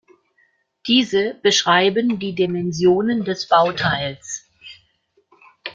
Diese beschreiben die Dimensionen des Bauteils.